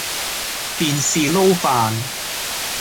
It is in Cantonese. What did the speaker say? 電視撈飯